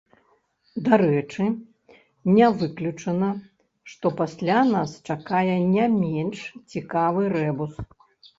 Дарэчы, не выключана, што пасля нас чакае не менш цікавы рэбус.